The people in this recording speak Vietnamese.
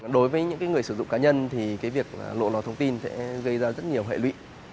đối với những người sử dụng cá nhân thì việc lộ lọt thông tin sẽ gây ra rất nhiều hệ lụy